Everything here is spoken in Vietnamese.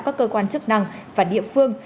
các cơ quan chức năng và địa phương